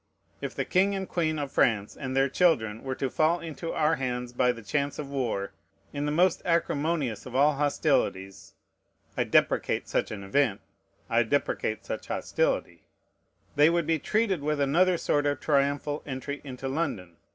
If the king and queen of France and their children were to fall into our hands by the chance of war, in the most acrimonious of all hostilities, (I deprecate such an event, I deprecate such hostility,) they would be treated with another sort of triumphal entry into London.